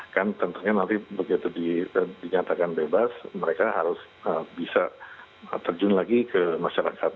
kan tentunya nanti begitu dinyatakan bebas mereka harus bisa terjun lagi ke masyarakat